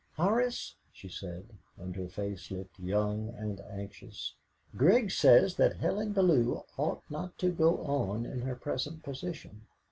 "Horace," she said, and her face looked young and anxious, "Grig says that Helen Bellew ought not to go on in her present position.